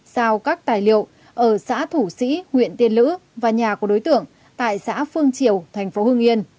sau các tài liệu ở xã thủ sĩ nguyện tiên lữ và nhà của đối tượng tại xã phương triều thành phố hương yên